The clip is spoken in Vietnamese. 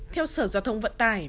theo sở giao thông vận tải